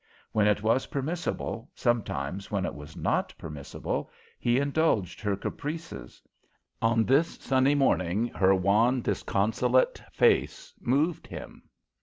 When it was permissible, sometimes when it was not permissible, he indulged her caprices. On this sunny morning her wan, disconsolate face moved him.